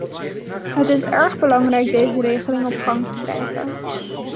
Het is erg belangrijk deze regeling op gang te krijgen.